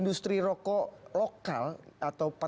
gus chandra juga minta tanggapi